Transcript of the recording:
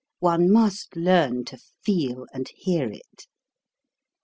One must learn to feel and hear it.